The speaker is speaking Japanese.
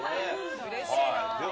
うれしいな。